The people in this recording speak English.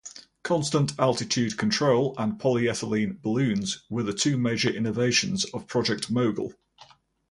Constant-altitude-control and polyethylene balloons were the two major innovations of Project Mogul.